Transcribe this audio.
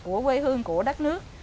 của quê hương của đất nước